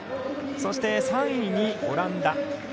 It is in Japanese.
そして、３位にオランダ。